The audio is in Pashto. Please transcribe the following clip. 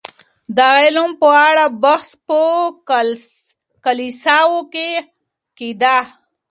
د علم په اړه بحث په کليساوو کي کيده.